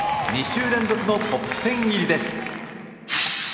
２週連続のトップ１０入りです。